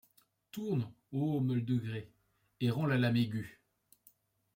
Tourne, -ô meule de grès, et rends la lame aiguë.